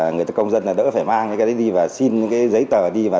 người công dân đỡ phải mang những cái đấy đi và xin giấy tờ đi